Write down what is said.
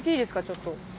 ちょっと。